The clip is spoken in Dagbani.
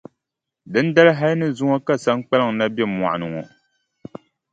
Dindali hali ni zuŋɔ ka Saŋkpaliŋ na be mɔɣu ni ŋɔ.